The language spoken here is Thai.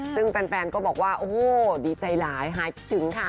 ซึ่งแฟนก็บอกว่าโอ้โหดีใจหลายหายคิดถึงค่ะ